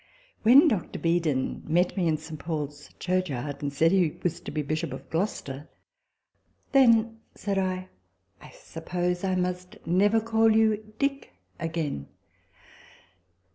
When Dr. Beadon met me in St. Paul's Church yard, and said he was to be Bishop of Gloucester, " Then," said I, " I suppose I must never call you Dick again."